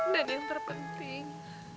dan yang terpenting